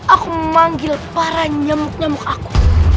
aku memanggil para nyamuk nyamuk aku